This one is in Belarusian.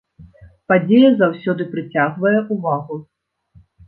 Падзея заўсёды прыцягвае ўвагу.